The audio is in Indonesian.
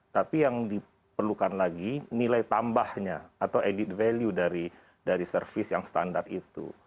tapi yang diperlukan lagi nilai tambahnya atau added value dari service yang standar itu